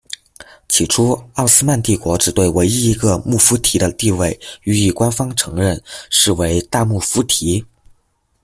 起初奥斯曼帝国只对唯一一个穆夫提的地位予以官方承认，是为大穆夫提。